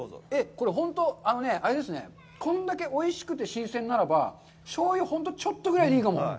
これ、本当、あれですね、こんだけおいしくて新鮮ならば、醤油、本当にちょっとぐらいでいいかも。